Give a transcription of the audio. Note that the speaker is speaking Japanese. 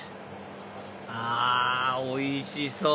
あおいしそう！